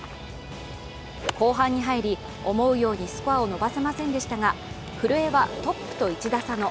後半に入り、思うようにスコアを伸ばせませんでしたが古江はトップと１打差の